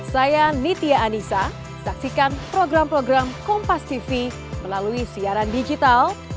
saya nitia anissa saksikan program program kompas tv melalui siaran digital